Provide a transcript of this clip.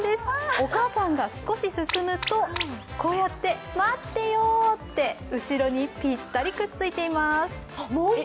お母さんが少し進むと待ってよって後ろにぴったりくっついています。